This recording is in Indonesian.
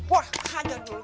wah ngajar dulu